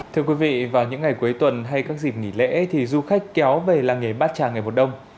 thưa quý vị vào những ngày cuối tuần hay các dịp nghỉ lễ thì du khách kéo về làng nghề bát tràng ngày mùa đông